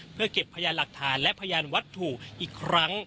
เพื่อเก็บพยานหลักฐานและพยานวัตถุอีกครั้ง